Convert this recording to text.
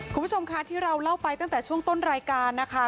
คุณผู้ชมค่ะที่เราเล่าไปตั้งแต่ช่วงต้นรายการนะคะ